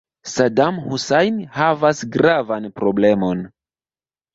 Sadam Husajn havas gravan problemon.